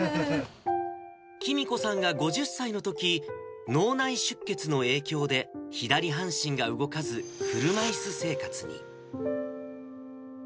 きみこさんが５０歳のとき、脳内出血の影響で左半身が動かず、車いす生活に。